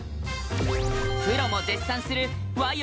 プロも絶賛する和洋